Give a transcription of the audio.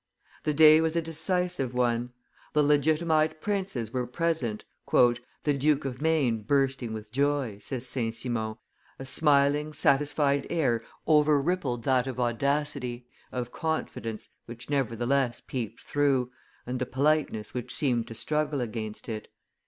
The day was a decisive one; the legitimatized princes were present, "the Duke of Maine bursting with joy," says St. Simon; "a smiling, satisfied air overrippled that of audacity, of confidence, which nevertheless peeped through, and the politeness which seemed to struggle against it.